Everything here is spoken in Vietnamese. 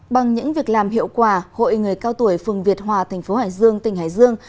bằng những việc làm hiệu quả hội người cao tuổi phường việt hòa tp hải dương tỉnh hải dương